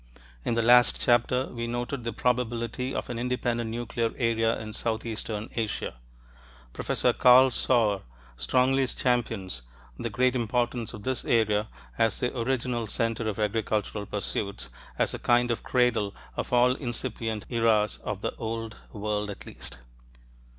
In the last chapter, we noted the probability of an independent nuclear area in southeastern Asia. Professor Carl Sauer strongly champions the great importance of this area as the original center of agricultural pursuits, as a kind of "cradle" of all incipient eras of the Old World at least.